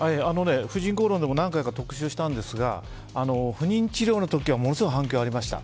「婦人公論」でも何回か特集したんですが不妊治療の時はものすごい反響がありました。